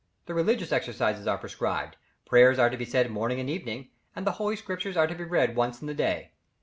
The religious exercises are prescribed, prayers are to be said morning and evening, and the Holy Scriptures are to be read once in the day.